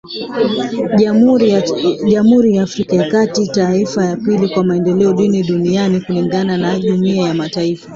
Jamhuri ya Afrika ya kati, taifa la pili kwa maendeleo duni duniani kulingana na Jumuiya ya mataifa.